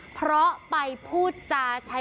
เพราะไปพูดจา